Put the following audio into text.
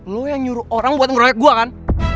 lu yang nyuruh orang buat ngeroyok gue kan